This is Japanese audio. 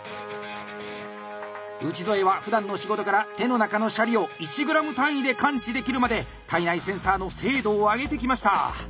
内添はふだんの仕事から手の中のシャリを１ｇ単位で感知できるまで体内センサーの精度を上げてきました！